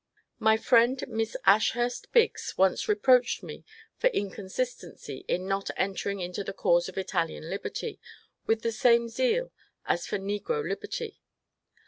My friend Miss Ashurst Biggs once reproached me for inconsistency in not entering into the cause of Italian liberty with the same zeal as for negro liberty.